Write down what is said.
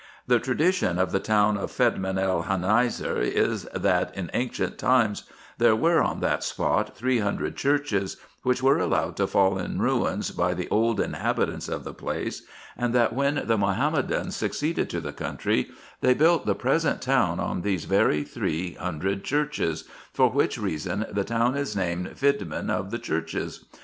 The tradition of the town of Fedmin el Hanaiser is, that in ancient times there were on that spot three hundred churches, which were allowed to fall in ruins by the old inhabitants of the 390 RESEARCHES AND OPERATIONS place, and that when the Mahomedans succeeded to the country, they built the present town on these very three hundred churches ; for which reason the town is named Fidmin of the Churches.